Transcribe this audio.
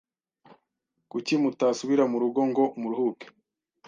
Kuki mutasubira murugo ngo muruhuke?